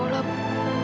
terima kasih ibu